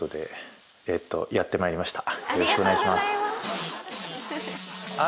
よろしくお願いします。